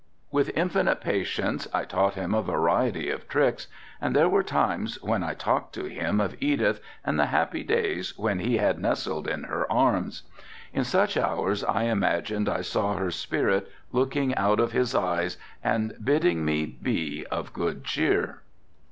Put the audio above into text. With infinite patience I taught him a variety of tricks and there were times when I talked to him of Edith and the happy days when he had nestled in her arms. In such hours I imagined I saw her spirit looking out of his eyes and bidding me be of good cheer.